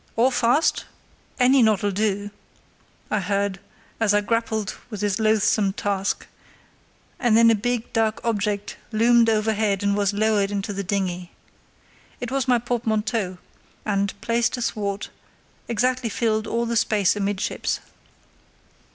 "All fast? Any knot'll do," I heard, as I grappled with this loathsome task, and then a big, dark object loomed overhead and was lowered into the dinghy. It was my portmanteau, and, placed athwart, exactly filled all the space amidships.